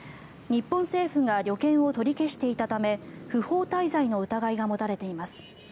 日本政府が旅券を取り消していたため不法滞在の疑いが持たれています。